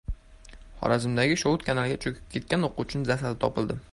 Xorazmdagi "Shovot" kanaliga cho‘kib ketgan o‘quvchining jasadi topildi